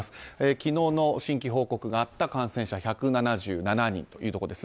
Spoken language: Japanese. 昨日の新規報告があった感染者１１７人というところ。